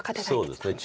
そうですね